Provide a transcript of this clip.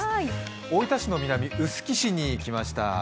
大分県の南、臼杵市に来ました。